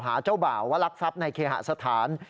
เจ้าบ่าวว่ารักทรัพย์ในเคหสถาน